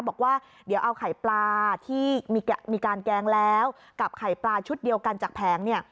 บอกว่าเดี๋ยวเอาไข่ปลาที่มีการแกงแล้วกับไข่ปลาชุดเดียวกันจากแผงเนี่ย